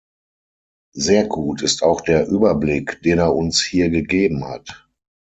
Sehr gut ist auch der Überblick, den er uns hier gegeben hat.